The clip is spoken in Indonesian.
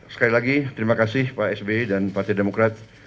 sekali lagi terima kasih pak sby dan partai demokrat